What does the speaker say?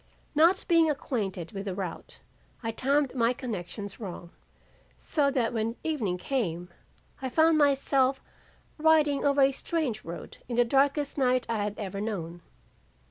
Not being acquainted with the route, I timed my connections wrong, so that when evening came I found myself riding over a strange road in the darkest night I had ever known.